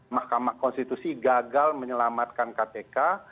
mahkamah konstitusi gagal menyelamatkan kpk